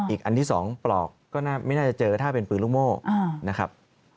อีกอันที่๒ปลอกก็ไม่น่าจะเจอถ้าเป็นปืนลูกโม่นะครับ